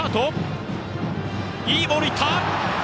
いいボールが行った！